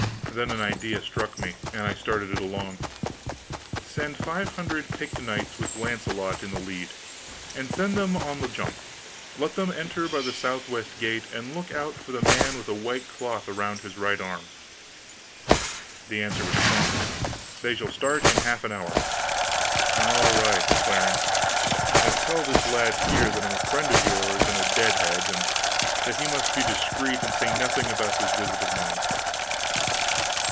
Then an idea struck me, and I started it along: "Send five hundred picked knights with Launcelot in the lead; and send them on the jump. Let them enter by the southwest gate, and look out for the man with a white cloth around his right arm." The answer was prompt: "They shall start in half an hour." "All right, Clarence; now tell this lad here that I'm a friend of yours and a dead head; and that he must be discreet and say nothing about this visit of mine."